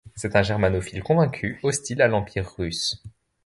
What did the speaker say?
C'est un germanophile convaincu, hostile à l'Empire russe.